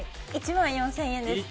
１万４０００円です。